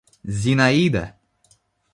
Зинаида